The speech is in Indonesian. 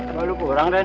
kalau kurang dan